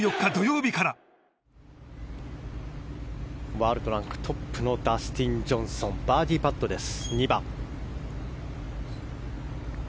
ワールドランクトップのダスティン・ジョンソン２番、バーディーパットです。